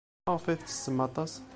Maɣef ay tettessem aṭas?